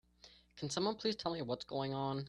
Can someone please tell me what's going on?